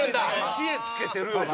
知恵つけてるよな！